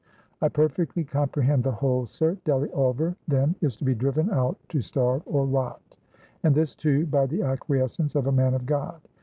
"I perfectly comprehend the whole, sir. Delly Ulver, then, is to be driven out to starve or rot; and this, too, by the acquiescence of a man of God.